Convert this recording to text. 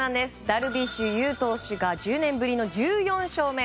ダルビッシュ有投手が１０年ぶりの１４勝目。